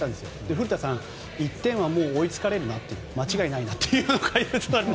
古田さん、１点は追いつかれるな間違いないなという解説で。